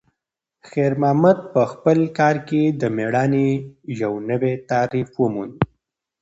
خیر محمد په خپل کار کې د میړانې یو نوی تعریف وموند.